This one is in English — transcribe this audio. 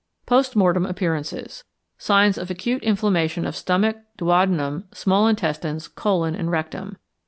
Post Mortem Appearances. Signs of acute inflammation of stomach, duodenum, small intestines, colon, and rectum.